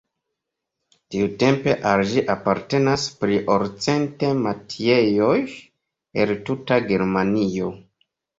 Tiutempe al ĝi apartenas pli ol cent metiejoj el tuta Germanio.